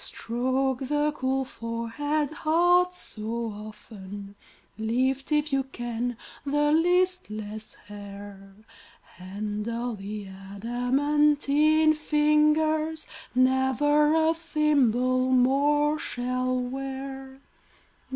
Stroke the cool forehead, hot so often, Lift, if you can, the listless hair; Handle the adamantine fingers Never a thimble more shall wear.